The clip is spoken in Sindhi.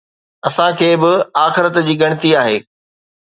اسان کي به آخرت جي ڳڻتي آهي.